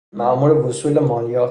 مأمور وصول مالیات